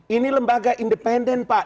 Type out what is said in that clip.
ini lembaga independen pak